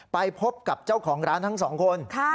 ไปพบกับเจ้าของร้านทั้งสองคน